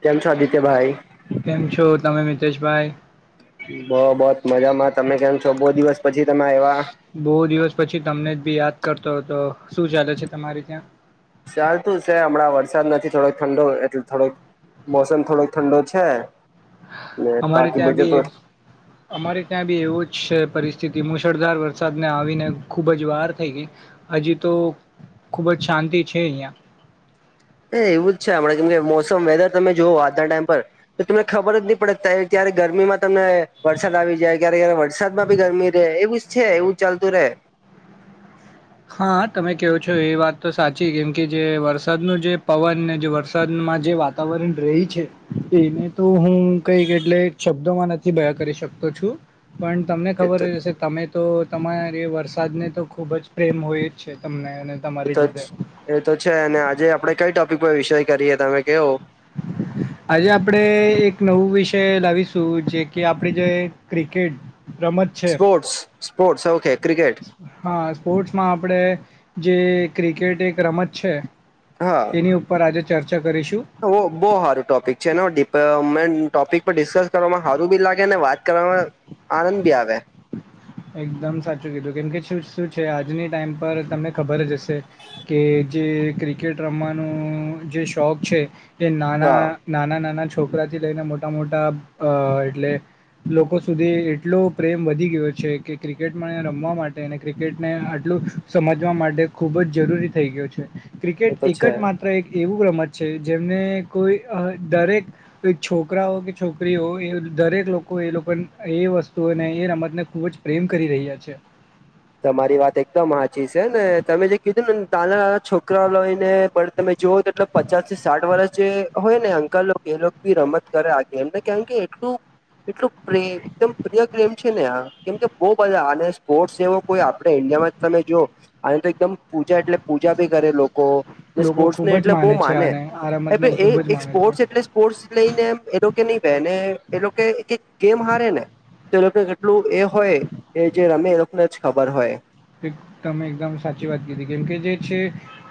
કેમ છો આદિત્યભાઈ? કેમ છો તમે મિતેશભાઈ? બહ બહ મજામાં. તમે કેમ છો? બહુ દિવસ પછી તમે આયવા. બહુ દિવસ પછી તમને જ બી યાદ કરતો હતો. શું ચાલે છે તમારી ત્યાં? ચાલતું છે હમણાં વરસાદ નથી થોડોક ઠંડો એટલે થોડોક મોસમ થોડોક ઠંડો છે અમારે બાકી ત્યાં બજે બી એ અમારે ત્યાં બી એવું જ છે પરિસ્થિતિ મુશળધાર વરસાદ આવીને ખૂબ જ વાર થઈ ગઈ. હજી તો ખુબ જ શાંતિ છે અહિયાં. એ એવું જ છે હમણા કેમ કે મોસમ વેધર તમે જોઓ આજના ટાઈમ પર તો તમને ખબર જ નહી પડે તઈ ત્યારે ગરમીમાં તમને વરસાદ આવી જાય, ક્યારે યારે વરસાદમાં બી ગરમી રહે એવી છે એવું ચાલતું રે. હા તમે કહો છો એ વાત તો સાચી કેમ કે જે વરસાદનું જે પવન ને જે વરસાદમાં જે વાત વાતાવરણ રયુ છે એને તો હું કઈક એટલે શબ્દોમાં નથી બયા કરી શકતો છું. પણ તમને એ ખબર તો હ હશે તમે તો તમારે એ વરસાદને તો ખૂબ જ પ્રેમ હોય જ છે તમને અને એ તમારી તો લીધે એતો છે અને આજે આપડે કઈ ટોપિક પર વિષય કરીએ તમે કેવો? આજે આપણે એક નવું વિષય લાવીશું જે કે આપણે જે ક્રિકેટ રમત. છે સ્પોર્ટસ, સ્પોર્ટસ ઓકે ક્રિકેટ. હા સ્પોર્ટ્સમાં આપણે જે ક્રિકેટ એક રમત છે. તેની ઉપર આજે ચર્ચા કરીશું. બવ સારું ટોપિક છે એ ટોપિક પર ડિસ્કસ કરવામાં સારું બી લાગે ને વાત કરવામાં આનંદ ભી આવે. એકદમ સાચું કીધું કેમ કે શું છે આજની ટાઈમ પર તમને ખબર જ હશે કે જે ક્રિકેટ રમવાનું જે શોખ છે એ નાના હા નાના નાના છોકરાથી લઈને મોટા મોટા એટલે લોકો સુધી એટલો પ્રેમ વધી ગયો છે કે ક્રિકેટમાં રમવા માટે અને ક્રિકેટને આટલું સમજવા માટે ખૂબ જ જરૂરી થઈ ગયું છે. એ તો ક્રિકેટ એક છે જ માત્ર એક એવું રમત છે જેમને કોઈ દરેક છોકરાઓ કે છોકરી હો એ દરેક લોકો એ લોકો એ વસ્તુઓને એ રમતને ખૂબ જ પ્રેમ કરી રહ્યા છે. તમારી વાત એકદમ સાચી છે ને તમે જે કીધું ને તાના તના છોકરા લઈને પન તમે જોઓ તો એટલે પચાસ થી સાઠ વર્ષ જે હોય ને અંકલ એ બી રમત કરે આગે એમને કે કે એટલ એકદમ પ્રિય ગેમ છે ને આ કેમ કે બવ બધા આ સ્પોર્ટ્સ જેવો કો આપડે ઇન્ડિયા માં જો તમે જો આ તો એકદમ પૂજા એટલે પૂજા ભી કરે લોકો ને લોકો સ્પોર્ટ્સ ને ખૂબ જ એટલે બહુ છે માને આને આ રમતને ખૂબ જ એક માને છે સ્પોર્ટ્સ એટલે સ્પોર્ટસ લઈ ને એ એ લોકો નહી બે ને એ લોકો ગેમ હારે ને તો લોકોને કેટલું એ હોય કે જે રમે એ લોકોને જ ખબર હોય. એક તમે એકદમ સાચી વાત કીધી કેમ કે જે છે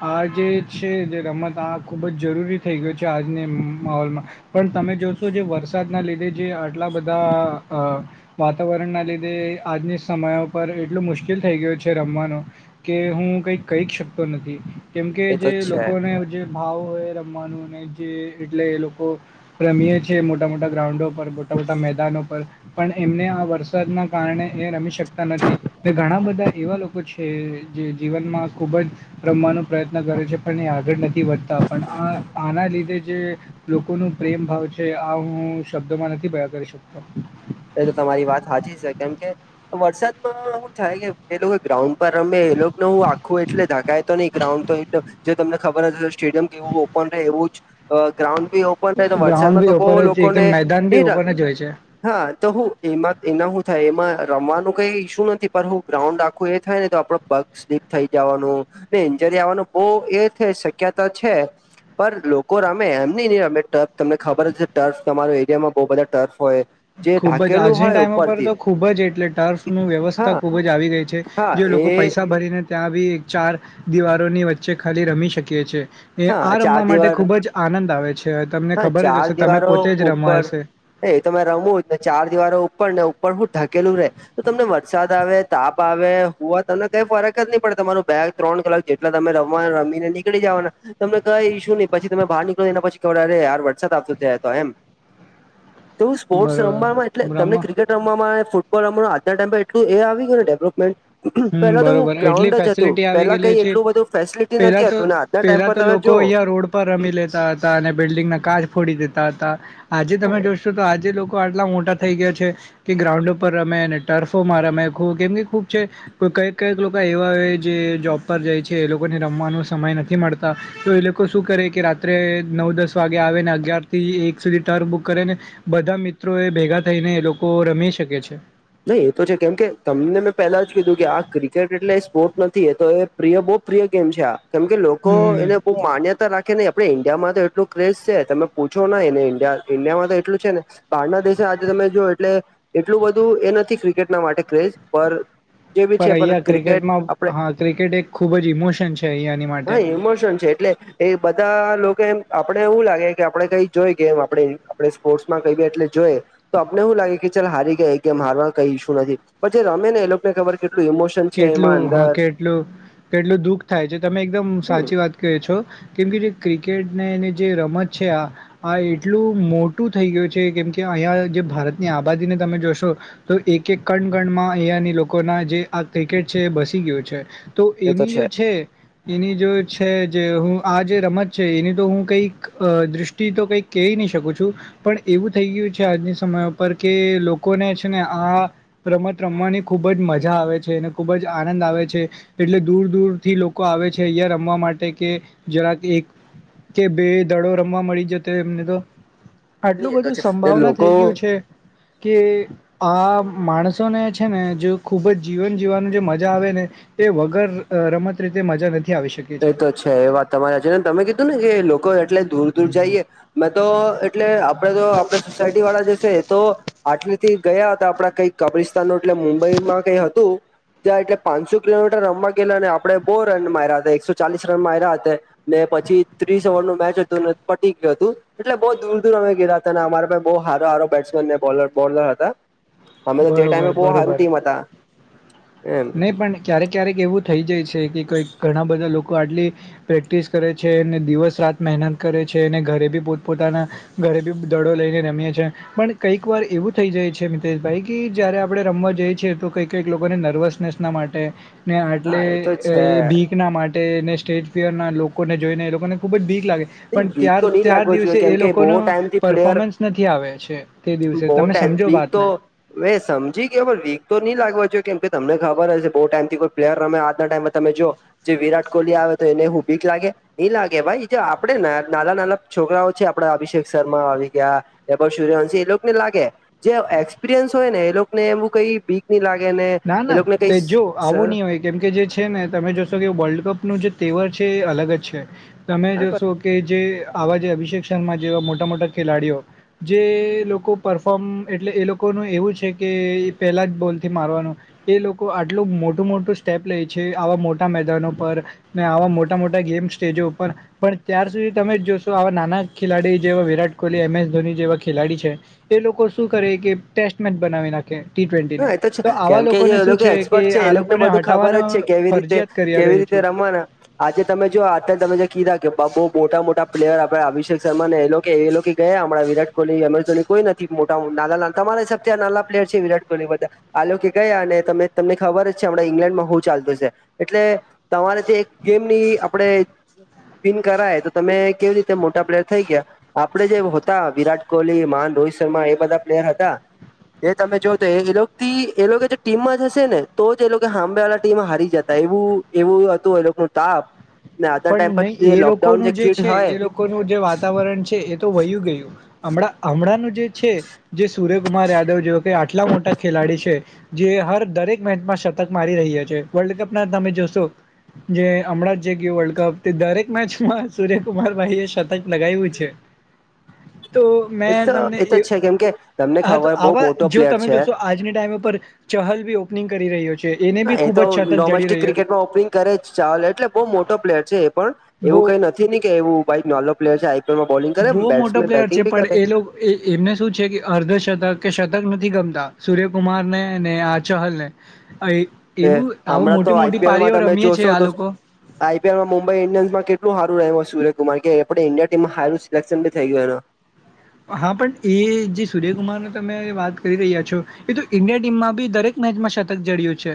આ જે છે જે રમત આ ખુબ જ જરૂરી થઈ ગયો છે આજની માહોલમાં. પણ તમે જોશો જે વરસાદના લીધે જે આટલા બધા આ વાતાવરણના લીધે આજની સમય પર એટલું મુશ્કેલ થઈ ગયું છે રમવાનો કે હું કઈક કહીક શકતો નથી કેમકે એ તો જે છે લોકોને જે ભાવ હોય રમવાનું અને જે એટલે એ લોકો રમીએ છે મોટા મોટા ગ્રાઉન્ડો પર મોટા મોટા મેદાનો પર પણ એમને આ વરસાદના કારણે એ રમી શકતા નથી. ઘણા બધા એવા લોકો છે જે જીવનમાં ખુબ જ રમવાનો પ્રયત્ન કરે છે પણ એ આગળ નથ વધતા પણ આના લીધે જે લોકો ને જે પ્રેમ ભાવ છે એ આ હું શબ્દોમાં નથી ભયા કરી શકતો. એ તો તમારી વાત સાચી છે કેમ કે વરસાદમાં શું થાય કે જે લોકો ગ્રઉન્ડ અમે એલોકને હું આખું એટલે ધકાય તો નઈ ગ્રાઉન્ડ તો એ જે તમને ખબર હે સ્ટેડિયમ કેવું ઓપન રહે એવું જ ગ્રાઉન્ડ બી ગ્રાઉન્ડ વરસાદમાં બી તો બવ ઓપન જ એકદમ લોકોને મેદાન બી નીરા ઓપન જ હોય છે. હા તો હું એમાં એના શું થાય એમાં રમવાનું કઈ ઈસુ નથી પણ હું ગ્રાઉન્ડ આખું એ થાય ને તો આપડો પગ સ્લીપ થઈ જવાનું. ઇન્જરી આવવાનું બહ એ છે શક્યતા છે. પર લોકો રમે એમ નહ નહં રમે ટર્ફ તમને ખબર જ ટર્ફ તમારો એરિયામાં બહુ બધા ટર્ફ હોય. જે ખૂબ જ ઢાકેલું આજની હોય ટાઈમ પરર ઉપરથી તો ખુબ જ એટલે ટર્ફની વ્યવસ્થા હા ખુબ જ આવી ગઈ છે. હા જે એ લોકો પૈસા ભરીને ત્યાં બી એક ચાર દિવારોની વચ્ચે ખાલી રમી શકીય છે. એ હા આ ચાર રમવા માટે દિવાર ખુબ જ આનંદ આવે છે તમને હા ખબર જ ચાર હશે તમે દિવારો પોતે જ રમવા ઉપર હશે. એ તમે રમું જ ને ચાર દિવારો ઉપર ને ઉપર શું ઢકેલું રે તો તમને વરસાદ આવે તાપ આવે હો તમને કંઈ ફરક જ નહી પડે તમારું બેગ ત્રણ કલાક જે એટલે તમે રમવા રમીને નીકળી જવાના તમને કઈશું નહ પછીમે બહાર નીકળી એના પછી વરસાદ આપ એમ તો સ્પોર્ટ રમ એટલે બરોબર તમને રમો ક્રિકેટ રમ ફૂટબોલ રમવા આજના ટાઈમે એલું એ આવી ગયો ડેવલપમેન્ટ. હમ પેલા તો હું બરોબર ગ્રાઉન્ડ એટલી જ હતું ફેસિલિટી આવી પેલા ગયેલી કઈ છે એટલું બધું ફેસિલિટી પેલા નથી તો હતું ના એ ટાઈમ પેલા પર તો તમે લોકો જો. અહિયાં રોડ પર રમી લેતા અને બિલ્ડિંગના કાચ ફોડી દેતા હતા આજે તમે જો શો તો આજે લોકો આટલા મોટા થઈ ગયા છે. કે ગ્રાઉન્ડ ઉપર રમે અને ટર્ફોમાં રમે ખૂ કેમ કે ખૂબ છે. કો કઈક કંઈક લોકો એવા હો જે જોૉબ પર જાય છે એ લોકોને રમવાનો સમય નથી મળતા. તો એ લોકો શું કરે કે રાત્રે નવ દસ વાગે આવે ને અગિયાર થી એક સુધી ટર્ન બુક કરે ને બધા મિત્રો એ ભેગા થઈને એ લોકો રમી શકે છે. નહી એ તો છે કેમ કે તમને મેં પહેલા જ કીધું કે આ ક્રિકેટ એટલે સ્પોર્ટ નથી એ તો એ પ્રિય બહુ પ્રિય ગેમ છે આ કેમ કે લોકો હમ એને બ માન્યતા રાખે નહીં આપડે ઈન્ડિયામાં તો એટલું ક્રેઝ છે તમે પૂછો ઈન્ડિયામાં તો એટલું છે ને બહારના દશે આજે તમે જો એટલે એટલું બધું એ નથી ક્રિકેટના માટે ક્રેઝ પર. જેવી છે પણ અહીંયા ક્રિકેટ ક્રિકેટમાં આપણે હા ક્રિકેટ એક ખૂબ જ ઇમોશન છે અહીંયાની માટે હા ઈમોશન છે એટલે એ બધા લોકોમ આપણે એવું લાગે કે આપડણે કઈ જોઈ ગમ આપણે આપણે સ્પોર્ટ્સમાં કઈ એટલે જોઈ. તો આપને એવું લાગે કે ચાલ હારી ગયા કેમ હારવા કઈ ઈ્ું નથી પણ જે રમે ને એ લોકોને ખબર કેટલું ઇમોશ કેટલું હા કેટલું કેટલું દુઃખ થાય છે તમે એકદમ હમ સાચી વાત કે છો કેમ કે જે ક્રિકેટને એને જે રમત છે આ આ એટલું મોટું થઈ ગયું છે કેમ કે અહીંયા જે ભારતની આબાદીને તમે જોશો તો એક એક કણ કણમાં અહિયાયાની લોકોના જે આ ક્રિકેટ છે બસી ગયયો છે તો એની જો છે એની જો છે જે હું આ જે રમત છે એની તો હું કઈક દ્રષ્ટ તો કઈક કહી નહી શકું છું. પણ એવું થઈ ગયું છે આજની સમય ઉપર કે લોકોને છે ને આ રમત રમવાની ખુબ જ મજા આવે છે અને ખુબ જ આનંદ આવે છે. એટલે દૂર દૂર થી લોકો આવે છે અહં રમવા માટે કે જરાક એક કે બે દડો રમવા મળી જતો એમને તો આટલું નહી એ તો બધું છે સંભાવના લોકો થઈ ગયું છે. કે આ માણસોને છે ને જો ખૂબ જ જીવન જીવવાનું જે મજા આવે ને એ વગર રમત રીતે મજા નથી આવી શકે એ તો છે એ વાત તમારેજ ને તમે કીધું ને કે લોકો એટલે દૂર દૂર જઈએ મેં તો એટલે આપડે તો આપણે સોસાયટી વાળા જશે તો આટલી થી ગયા હતા આપડા કઈ કબ્રિસ્તાન ન એટલે મુંબઈમાં કઈ હતું ત્યાં એટલે પાંચસો કિલોમીટર રમવા ગેલા અને આપણે બહુ રન માર્યા હતા એકસો ચાલીસ રન માર્યા હતા. ને પછી થ્રીસ અવન નું મેચ હતું પટી ગયું હતું. એટલે બહુ દૂર દૂર અમે ગેયા હતા અને અમારે બહુ હારો હારો બેટ્સમેન બોલર બોલર હતા. અમે તો તે ટાઈમે બરોબર બહ સારું ટીમ હતા. એમ નહી પણ ક્યારેક ક્યારેક એવું થઈ જાય છે કે કોઈક ઘણા બધા લોકો આટલી પ્રેક્ટિસ કરે છે ને દિવસ રાત મહેનત કરે છે અને ઘરે બી પોત પોતાના ઘરે બી દડો લઈને રમીએ છે. પણ કઈક વાર એવું થઈ જાય છે મિતેશભાઈ કે જ્યારે આપણે રમવા જઈ છે તો કઈ કઈક લોકોને નર્વસ નેસના માટે ને આટલે હા તો છે એ બી કના માટે ને સ્ટેજ ફિરના લોકોને જોઈને એ લોકોને ખૂબ જ ભીક લાગે પણ વીક ત્યાર તો નહી ત્યાર લાગવો દિવસે જોઈએ કેમ એ કે બહુ લોકોનો ટાઈમથી પ્લેયર પરફોમન્સ નથી આવે છે. તે દિવસે તમે સમજો વાતને. વે સમજી ગ્યો પણ વીક તો નહી લાગવા જો કેમ કે તમને ખબર હશે બહુ ટાઈમ થી કોઈ પ્લેયર રમે આજના ટાઈમેમાં તમે જોઓ જે વિરાટ કોહલી આવે તો એને હું ભીક લાગે? ની લાગે ભાઈ આપડે નાના નાના છોકરાઓ છે આપડા અભિષેક શર્મા આવી ગ્યા વૈભવ સૂર્યવાંશી એ લોકોને લાગે જે એક્સપિરિયન્સ હોય ને એ લોકોને એવું કઈ બી ક ની લાગે ને ના ના એલોકો ને કઈ તે સ જો આવું સર નહીં હોય કેમ કે જે છે ને તમે જોશો કે વર્લ્ડ કપનું જે તેવર છે એ અલગ જ છે. તમે જોશો કે જે આવા જે અભિષેક શર્મા જેવા મોટા મોટા ખેલાડીઓ જે લોકો પરફોમ એટલે એ લોકોનું એવું છે કે પેલા જ બોલ થી મારવાનું. એ લોકો આટલું મોટું મોટું સ્ટેપ લે છે આવા મોટા મેદાનો પર. ને આવા મોટા મોટા ગેમ સ્ટેજો ઉપર. પણ ત્યાર સુધી તમે જોશો આવા નાના ખેલાડી જેવા વિરાટ કોહલી એમ એસ ધોની જેવા ખેલાડી છે એ લોકો શું કરે કે ટેસ્ટ મેચ બનાવી નાખે ટી ટ્વેી ને, હા એ છે તો કેમ આવા લોકો કે જે એ એક્સપર્ટ છે એ લોકોને બધું ખબર જ છે કેવી રીતે ફરજિયાત કર્યા કેવી રહ્યું રીતે છું રમવાના. આજે તમે જો અત્યારે તમે જે કીધા કે બાુ મોટા મોટા પ્લેયર આપે અભિષેક શર્મા ને એેલો કે એ લોકો ગયા હમણાં વિરાટ કોહલી, એમ એસ ધોની કોઈ નથી મોટા નાના તમારા હિસાબથી આ નાનાલા પ્લેયર છે વિરાટ કોહલી બધા આ લોકો કે ગયા અને ત તમને ખબર જ છે હમણાં ઈંગ્લેન્ડ માં હું ચાલતું છે, એટલે તમારે ત્યાં એક ગેમ ની આપડે સ્પિન કરાય તો તમે કેવી રીતે મોટા પ્લેયર થઈ ગ્યા. આપડે જે હતા વિરાટ કોહલી મહાન રોહિત શર્મા એ બધા પ્લેયર હતા. એ તમે જો તો એજ એલોકથી એલોકો જે ટીમમાં જ હશે ને તો જ એ લોકો સાભે વાણા ટીમ હારી જતા એવું એવું હતું એ નું તાપ ને આજના ટાઈમ પણ પર નહીં જે એ લોકડાઉન જે લોકોનું કીડ છે હોય એ લોકોનું જે વાતાવરણ છે એ તો વયું ગયું હમડા હમણાંનું જે છે જે સૂર્યકુમાર યાદવ જેઓ કે આટલા મોટા ખેલાડી છે. જે હર દરેક મેચમાં શતક મારી રહ્યા છે. વર્લ્ડ કપ ના તમે જોશો જે હમણાં જ જે ગ્યું વર્લ્ડ કપ તે દરેક મેચમાં સૂર્યકુમારભાઈ એ શતક લગાઈવુ છે. તો એ મેં તો તમને તો એ છે કેમ કે તમને હા તો ખબર બહુ આવા મોટો જો પ્લેયર તમે છે જોશો આજની ટાઈમ ઉપર ચહલ બી ઓપનિંગ કરી રહ્યો છે એને હા બી એ ખૂબ તો જ શતક જડી ડોમેસ્ટિક રહ્યો ક્રિકેટમાં ઓપનિંગ કરે છ ચહલ એટલે બહુ મોટો પ્લેયર છે એ પણ, બહુ એવું કઈ નથી કે એવું કાઈ નાલો પ્લેયર છે આઈ પી એલમાં બોલિંગે કરે બહુ મોટો બેટ્સમેન પ્લેયર બેટિંગ છે એ પણ કરે. લોકો એ એમને શું છે કે અર્ધશતક કે શતક નથી ગમતા, સૂર્યકુમાર ને આ ચહલ ને. અય એ એવું આવ હમણાં મોટી તો મોટી પારીઓ રમીએે છે આ લોકો આઈ પી એલમાં મુંબઈ ઈન્ડિયન્માં કેટલું હારું રઇમોં સર્ય કુમાર કે એપડે ઇન્ડિયા ટીમમાં હારું સિલેક્શન બી થઈ ગ્યું એનું. હા પણ એ જે સૂર્યકુમારની તમે વાત કરી રહ્યા છો, એ તો ઇન્ડયન ટીમમાં બી દરેક મેજમાં શતક જડ્યું છે.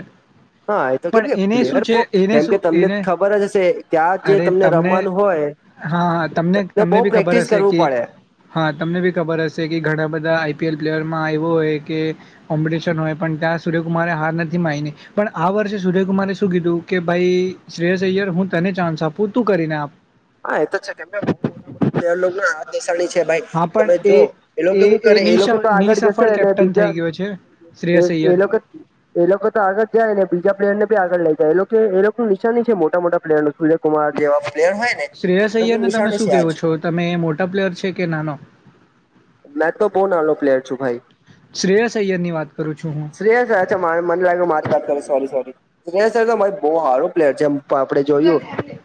હા એ તો કેમ કે પણ એને પ્લેયર શું બો છે એને કેમ કે શું તમને એને ખબર જ હશે કે્યા આ જે તમને રમવાનું હોય હા હ તમને ને તમને બહુ બી ખબર પ્રેક્ટિસ હશે કરવું કે પડે હા તમને બી ખબર હશે કે ઘણા બધા આઈ પી એલ પ્લેયરમાં એવું હોય કે કોમ્પિટિશન હોય પણ ત્યાં સૂર્યકુમારે હાર નથી માઇની. પણ આ વર્ષે સુૂર્યકુમારે શું કીધું કે ભાઈ શ્રેયસ અય્યર હું તને ચાન્સ આપું, તું કરીને આપ. હા એ તો છે, કેમ કે એ લોકના હાથ દેશાણી છે ભાઈ. હા પણ તમે જો એ લોકો શું કરે એ નિસ લોકો તો આગળ જશે નિસફળ અને કેપ્ટન બીજા થઈ ગયો છે એ શ્રેયસ એ અય્યર લોકોક એ લોકો તો આગળ જાય ને બીજા પ્લેયર નેી આગળ લઈ જાય એ લોકો એ લોકોનું નિશાનની છે મોટા મોટ પ્લેયર નું. કુમાર જેવા પ્લેયર હોય ને. શ્રેયસ એ અૈયર લોકોનું ને તમે નિશાની શું છે કેવો આજ છો તમે એ મોટા પ્લેયર છે કે નાનો? મેં તો બહુ નાનો પ્લેયર છું ભાઈ. શ્રેય અઐયર ની વાત કરું છું હું. મને લાગે મારી વાત કરે સોરી સોરી, બહુ સારો પ્લેયર છે એમ. આપણે જોયું,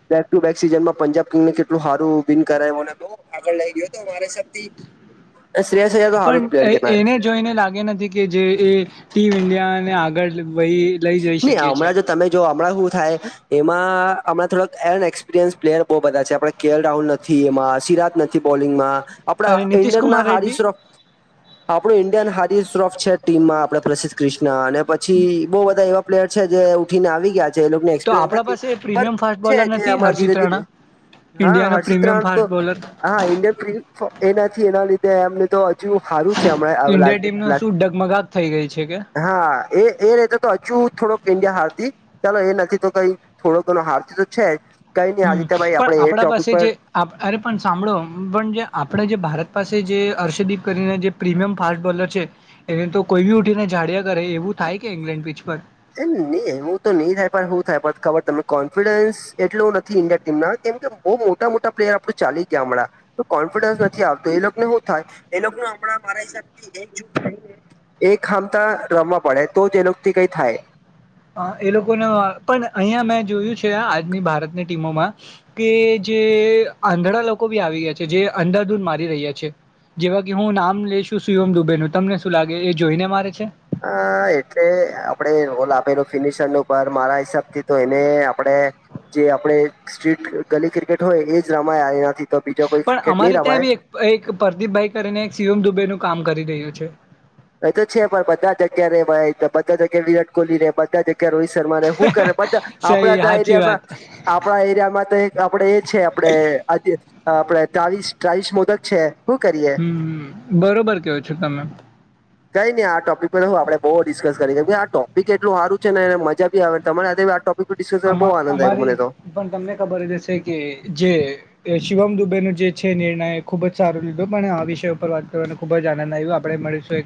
બેક ટુ બેક સીઝન માં પંજાબ કેટલું સારુંન કરાયને આગળ લ ગયો. શ્રેયા શ્રેયા તો હારદ પ્લેયર કે નાય. જો એને લાગે નથી કે જે એ ટીમ ઇન્ડિયા ને આગળ વહી લઈ જઈ નહી શકીએ છે હમણાં જ તમે જો હમણાં શું થાય, એમાં હમણાં થોડા અનએક્સપિરિયન્સ પ્લેયર બહુ બધા છે આપ કેલ રાહુલ નથી એમાં સિરાજ નથી બોલિંગમાં, આપડા અને નીતિશ ન્ડિન કુમાર ના હારી રેડ્ડી શ્રો આપણું ઇન્ડિયન હ શ્રોફ છે ટીમમાં આપણે પ્રસિદ્ધ ક્રિષ્ના અને પછી બહુ બધા એવા પ્લેર છે જે ઉઠીને આવી ગયા છે એને તો એક્સપિરયન્સ આપણા પાસે પ્રીમિયમ ફાસ્ટ બોલર છે, નથી જેમાં હર્ષિત ધીરે ધીરે રાણા હા ઈન્ડિયાનો હર્ષિત પ્રીમિયમ રાણ ફાસ્ટ તો બોલર હા ઇન્ડિયન એ નથી એના લીધે એમને સારું છે હમણાં ઈન્ડિયા લાગે, ટીમનો શું ડગમગાટ થઈ ગઈ છે કે હા એ ર તો તો હજુ થોડોક ઈન્ડિયા હારતી ચાલો એ નથી તો કઈ થોડોક એ હારતી તો છે જ. કઈ નહી હમ આદિત્યભાઈ પણ આપડે એ આપણા ટોપિક પાસે પર જે અરે પણ સાંભળો પણ જે આપણે જે ભારત પાસે જે હર્ષદીપ કરીને જે પ્રીમિયમ ફાસ્ટ બોલર છે, એને તો કોઈ બી ઉઠીને જાડ્યા કરે એવું થાય કે ઇંગ્લેન્ડ પીચ પર. એજ ને નીયે હું તો નહીં થાય હું થાય પથ ખબર તમને કોન્ફિડન્સ એટલું નથી ઇન્ડિયા ટીમ ના કેમ કે બઉ મોટા મોટા પ્લેયર આપડું ચાલી ગયા હણાં. તો કોન્ફિડન્સ નથી આવતો એ લોકને હું થાય, એ લોકને હમણાં મારા હિસાબ થી એકજૂટ થઈને એ ખામતા રમવા પડે તો તે લોકથી કઈ થાય. અ એ લોકોને પણ અહિયાં મેં જોયું છે આજની ભારતની ટીમોમાં. કે જે આંધલા લોકો બી આવી ગયા છે જે અંધાધૂન મારી રહ્યા છે. જેવા કે હું નામ લઈશું શિવમ દુબે નું તમને શું લાગે એ જોઈને મારે છે? હા એટલે આપણે રોલ આપેલો ફિનિશરનો પર મારા હિસાબ થી તો એને આપડે જે આપડે સ્ટ્રીટ ગલી ક્રિકેટ હોય એજ રમાય એનાથી તો બીજો કોઈ પણ ક્રિકેટ ની અમારે ત્યાં રમાય. બી એક એક પરદીપભાઈ કરીને એક શિવમ દુબેનું કામ કરી રહ્યો છે. એ તો છે પણ બધા જગ્યા રે ભાઈ બધા જગ્યા વિરાટ કોહલી રે બધા જગ યા રોહિત શર્મા રે હું કરે બધા સહી આપણા તા સાચી એરિયામાં. વાત આપણા એરિયામાં તો એક આપડે એ છે આપડે અડ આપડે ચાલીસ ચાલીસ મોદક છે હું કરીએ. હમ બરોબર ક્યો છો તમે. કઈ ની આ ટોપિક પર હું આપડે બઉ ડિસ્કસ કરી શકીએ આ ટોપિક એટલું હારું છે ને મજા બી આવે તમારે હાથે આ ટોપ ડિસ્કસ કરવાનો અમા બઉ આનંદ આયો મને અમારી તો. પણ તમને ખબર જ હશે કે જે એ શિવમ દુબેનો જે છે નિર્ણય એ ખુબજ સારો લીધો પણ આ વિષય ઉપર વાત કરવાનો ખૂબ જ આનંદ આયુ આપણે મળીશું એક